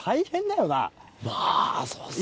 まぁそうっすね。